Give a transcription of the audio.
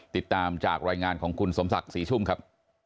ติดตามจากรายงานของคุณสมศักดิ์ศรีชุ่มครับ